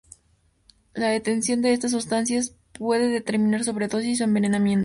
La detección de estas sustancias puede determinar sobredosis o envenenamiento.